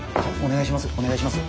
お願いします